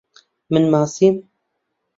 من ماسیم.